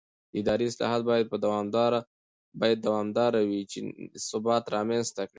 اداري اصلاحات باید دوامداره وي چې ثبات رامنځته کړي